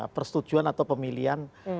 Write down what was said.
persetujuan atau pemilihan